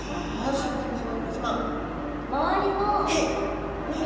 シャーク香音さま皆さま。